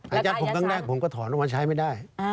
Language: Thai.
ยัดผมครั้งแรกผมก็ถอนออกมาใช้ไม่ได้